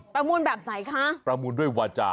ประมูลแบบไหนคะประมูลด้วยวาจา